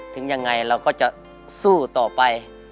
ถึงยังไงเราก็จะสู้ต่อไป